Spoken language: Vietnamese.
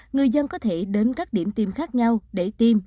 người dân có thể đến các điểm tiêm khác nhau để tiêm